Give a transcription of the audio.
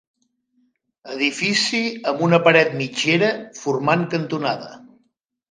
Edifici amb una paret mitgera, formant cantonada.